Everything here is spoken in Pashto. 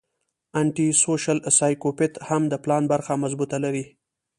انټي سوشل سايکوپېت هم د پلان برخه مضبوطه لري